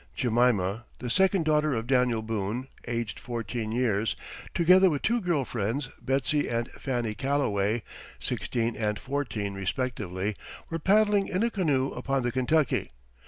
Jemima, the second daughter of Daniel Boone, aged fourteen years, together with two girl friends, Betsey and Fanny Calloway, sixteen and fourteen respectively, were paddling in a canoe upon the Kentucky.